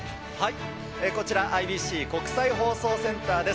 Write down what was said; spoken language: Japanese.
こちら、ＩＢＣ・国際放送センターです。